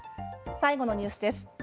最後のニュースです。